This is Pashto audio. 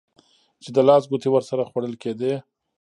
چې د لاس ګوتې ورسره خوړل کېدې.